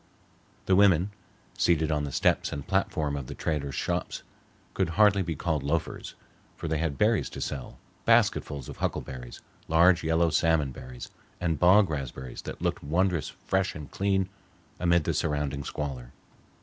The women, seated on the steps and platform of the traders' shops, could hardly be called loafers, for they had berries to sell, basketfuls of huckleberries, large yellow salmon berries, and bog raspberries that looked wondrous fresh and clean amid the surrounding squalor.